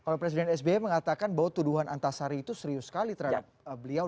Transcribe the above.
kalau presiden sby mengatakan bahwa tuduhan antasari itu serius sekali terhadap beliau